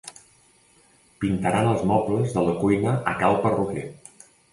Pintaran els mobles de la cuina a cal perruquer.